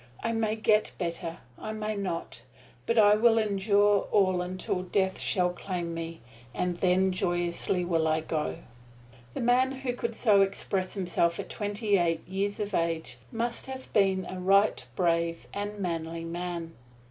I may get better I may not but I will endure all until Death shall claim me, and then joyously will I go!" The man who could so express himself at twenty eight years of age must have been a right brave and manly man.